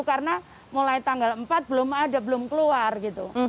karena mulai tanggal empat belum ada belum keluar gitu